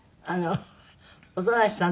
音無さん